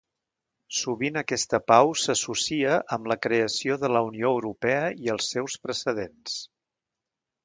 Sovint aquesta pau s'associa amb la creació de la Unió Europea i els seus precedents.